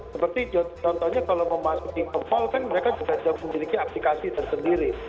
seperti contohnya kalau mau masuk ke mall kan mereka juga memiliki aplikasi tersendiri